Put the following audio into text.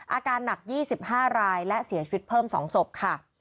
อาการหนัก๒๕รายและเสียชีวิตเพิ่ม๒ศพค่ะ